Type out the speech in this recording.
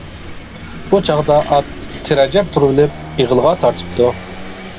بۇ چاغدا ئات تىرەجەپ تۇرۇۋېلىپ ئېغىلغا تارتىپتۇ.